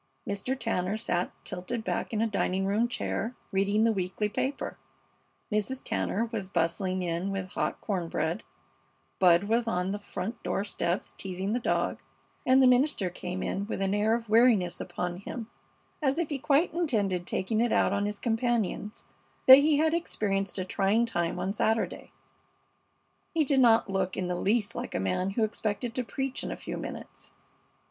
Mr. Tanner sat tilted back in a dining room chair, reading the weekly paper, Mrs. Tanner was bustling in with hot corn bread, Bud was on the front door steps teasing the dog, and the minister came in with an air of weariness upon him, as if he quite intended taking it out on his companions that he had experienced a trying time on Saturday. He did not look in the least like a man who expected to preach in a few minutes.